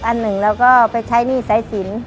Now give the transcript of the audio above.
อันหนึ่งเราก็ไปใช้หนี้สายสิน